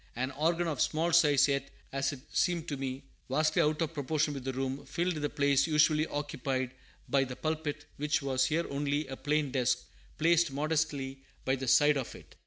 An organ of small size, yet, as it seemed to me, vastly out of proportion with the room, filled the place usually occupied by the pulpit, which was here only a plain desk, placed modestly by the side of it.